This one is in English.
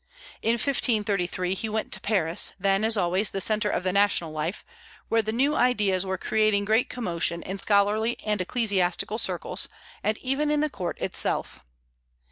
In 1533 he went to Paris, then as always the centre of the national life, where the new ideas were creating great commotion in scholarly and ecclesiastical circles, and even in the court itself.